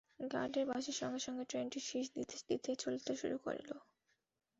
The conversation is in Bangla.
গার্ডের বাঁশির সঙ্গে সঙ্গে ট্রেনটি শিস দিতে দিতে চলতে শুরু করল।